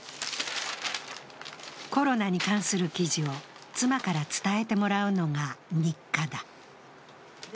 コロナに関する記事を妻から伝えてもらうのが日課だ。